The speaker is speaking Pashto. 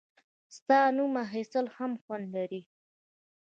• ستا نوم اخیستل هم خوند لري.